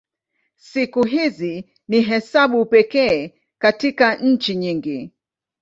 Siku hizi ni hesabu pekee katika nchi nyingi.